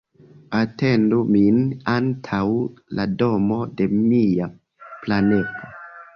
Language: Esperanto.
Atendu min antaŭ la domo de mia pranepo.